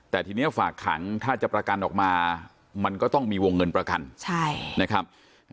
แต่ทีนี้ฝากขังถ้าจะประกันออกมามันก็ต้องมีวงเงินประกันนะครับ